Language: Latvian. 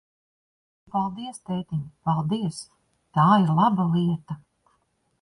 Nu, paldies, tētiņ, paldies! Tā ir laba lieta!